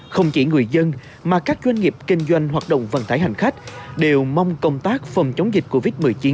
không chỉ người dân mà các doanh nghiệp kinh doanh hoạt động vận tải hành khách đều mong công tác phòng chống dịch covid một mươi chín